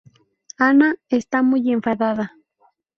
Anna está muy enfadada.